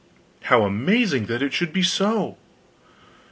"How amazing that it should be so!"